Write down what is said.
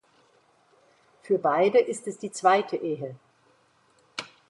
Für beide ist es die zweite Ehe.